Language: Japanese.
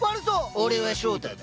俺は翔太だ。